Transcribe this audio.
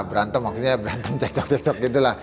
berantem maksudnya berantem cek cok cek cok gitu lah